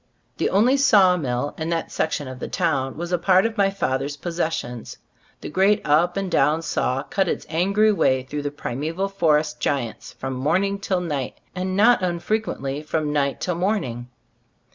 The only saw mill in that section of the town was a part of my father's possessions. The great up and down saw cut its angry way through the primeval forest giants from morning till night, and not unfrequently from night till morning.